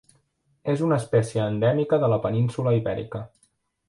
És una espècie endèmica de la península Ibèrica.